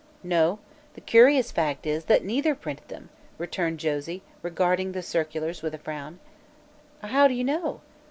"No; the curious fact is that neither printed them," returned Josie, regarding the circulars with a frown. "How do you know?"